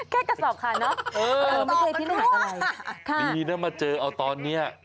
แค่กระสอบขาดเนอะเออไม่เคยพินิหารอะไรค่ะดีนะมาเจอเอาตอนเนี้ย